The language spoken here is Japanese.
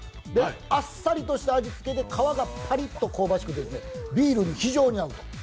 あっさりとした味付けで皮がパリッと香ばしくてビールに非常に合う。